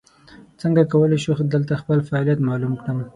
څنګه کولی شم دلته خپل فعالیت معلوم کړم ؟